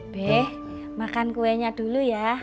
be makan kuenya dulu